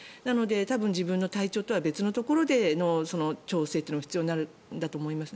多分、自分の体調とは別のところでの調整というのが必要になるんだと思います。